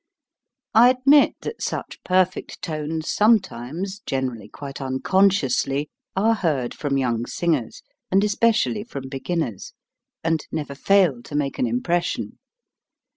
I admit that such perfect tones sometimes, generally quite unconsciously, are heard from young singers, and especially from begin ners, and never fail to make an impression.